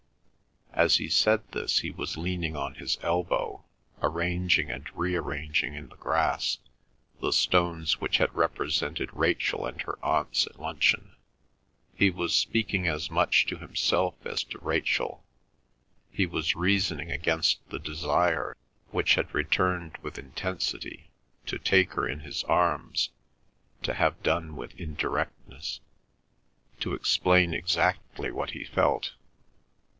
As he said this he was leaning on his elbow arranging and rearranging in the grass the stones which had represented Rachel and her aunts at luncheon. He was speaking as much to himself as to Rachel. He was reasoning against the desire, which had returned with intensity, to take her in his arms; to have done with indirectness; to explain exactly what he felt.